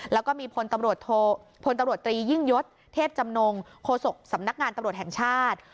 แล้วก็มีพลตำรวจพลตำรวจตรียิ่งยศเทพจำนงโฆษกสำนักงานตำรวจแห่งชาติ